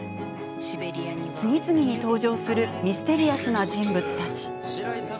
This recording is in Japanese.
次々に登場するミステリアスな人物たち。